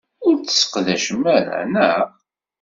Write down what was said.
Ur t-tesseqdacem ara, naɣ?